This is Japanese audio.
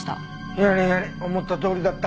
やれやれ思ったとおりだった。